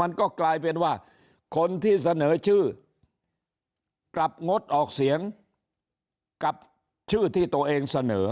มันก็กลายเป็นว่าคนที่เสนอชื่อกลับงดออกเสียงกับชื่อที่ตัวเองเสนอ